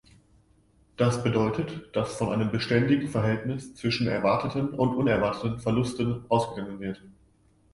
Das bedeutet, dass von einem beständigen Verhältnis zwischen erwarteten und unerwarteten Verlusten ausgegangen wird.